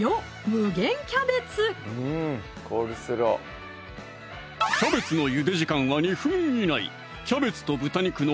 無限キャベツキャベツのゆで時間は２分以内